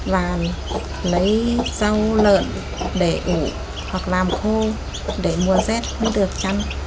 và lấy rau lợn để ủ hoặc làm khô để mùa rét mới được chăn